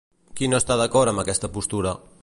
Qui no està d'acord amb aquesta postura?